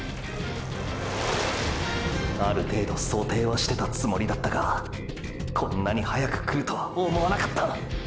ある程度想定はしてたつもりだったがこんなに早く来るとは思わなかった！！